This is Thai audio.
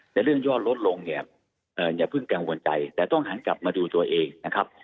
แต่เรื่องยอดลดลงเนี่ยอย่าเพิ่งกังวลใจแต่ต้องหันกลับมาดูตัวเองนะครับ